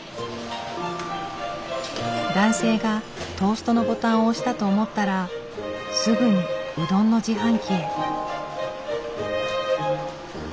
男性がトーストのボタンを押したと思ったらすぐにうどんの自販機へ。